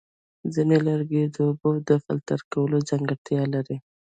ځینې لرګي د اوبو د فلټر کولو ځانګړتیا لري.